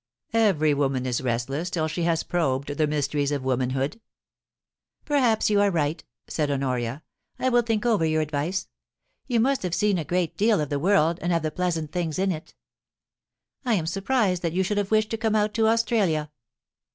Every woman is restless till she has probed the mysteries of womanhood' * Perhaps you are right,' said Honoria. * I will think over your advice. You must have seen a great deal of the world and of the pleasant things in it I am surprised that you BARRINGTON AND HONORIA. 165 should have wished to come out to Australia.